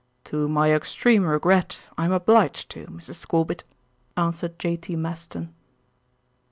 "To my extreme regret, I am obliged to, Mrs. Scorbitt," answered J.T. Maston.